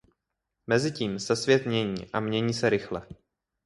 Mezitím se svět mění, a mění se rychle.